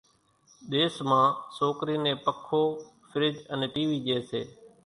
ۮيس مان سوڪرِي نين پکو، ڦِرج انين ٽِي وِي ڄيَ سي۔